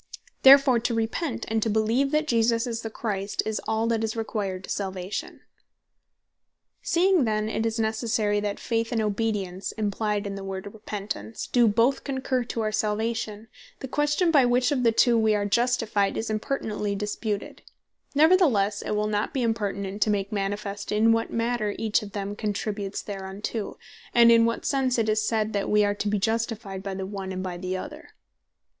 Therefore to Repent, and to Beleeve that Jesus is the Christ, is all that is required to Salvation. What Each Of Them Contributes Thereunto Seeing then it is Necessary that Faith, and Obedience (implyed in the word Repentance) do both concurre to our Salvation; the question by which of the two we are Justified, is impertinently disputed. Neverthelesse, it will not be impertinent, to make manifest in what manner each of them contributes thereunto; and in what sense it is said, that we are to be Justified by the one, and by the other.